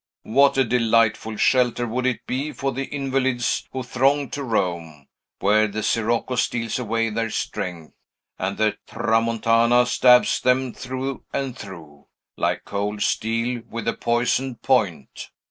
What a delightful shelter would it be for the invalids who throng to Rome, where the sirocco steals away their strength, and the tramontana stabs them through and through, like cold steel with a poisoned point!